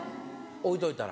置いといたら。